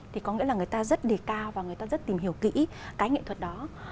thì có nghĩa là người ta rất đề cao và người ta rất tìm hiểu kỹ cái nghệ thuật đó